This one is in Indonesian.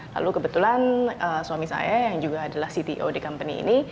lalu kebetulan suami saya yang juga adalah cto di company ini